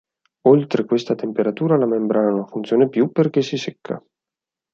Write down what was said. Oltre questa temperatura la membrana non funziona più perché si secca.